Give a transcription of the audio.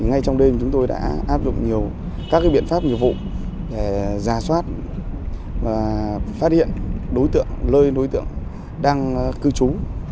ngay trong đêm chúng tôi đã áp dụng các biện pháp nhiều vụ giả soát và phát hiện lơi đối tượng đang cư trú